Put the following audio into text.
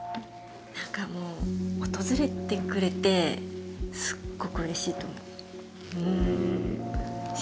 何かもう訪れてくれてすごくうれしいと思うよ。